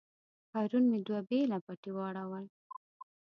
پرون مې دوه بېله پټي واړول.